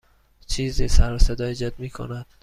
چیزی سر و صدا ایجاد می کند.